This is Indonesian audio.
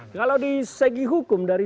kalau di segi hukum dari